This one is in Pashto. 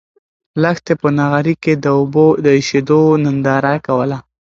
لښتې په نغري کې د اوبو د اېشېدو ننداره کوله.